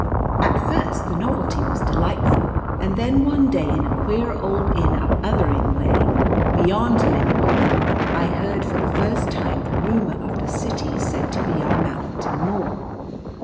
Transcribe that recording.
At first the novelty was delightful, and then one day in a queer old inn up Uthering way, beyond Lingwold, I heard for the first time the rumour of the city said to be on Mallington Moor.